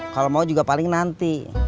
kalau mau juga paling nanti